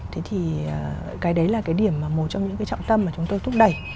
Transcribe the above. thế thì cái đấy là cái điểm mà một trong những cái trọng tâm mà chúng tôi thúc đẩy